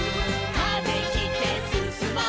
「風切ってすすもう」